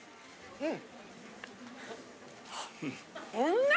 うん！